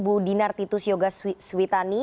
bu dinartitus yoga switani